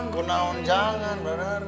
kenaun jangan beneran